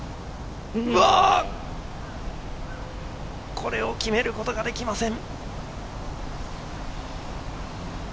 これを決めることができません。